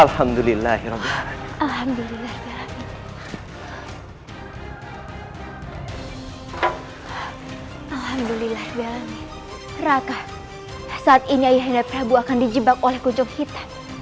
alhamdulillahirrohmanirrohim raka saat ini hanya berapa akan dijimbang oleh konjong hitam